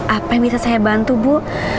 apa yang bisa saya bantu bu